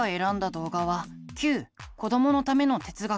動画は「Ｑこどものための哲学」。